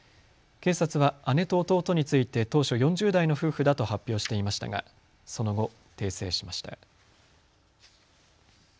警察は姉と弟について当初、４０代の夫婦だと発表していましたがその後、訂正しました。